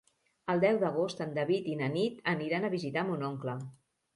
El deu d'agost en David i na Nit aniran a visitar mon oncle.